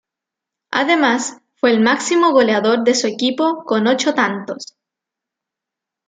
Además, fue el máximo goleador de su equipo con ocho tantos.